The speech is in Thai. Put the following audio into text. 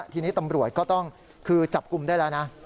ทีนี้ตำรวจก็ต้องคือจับกลุ่มได้แล้วนะ